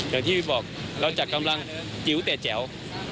อย่างที่บอกเราจัดกำลังจิ๋วแต่แจ๋ว